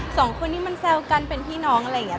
สองคนนี้มันแซวกันเป็นพี่น้องอะไรอย่างนี้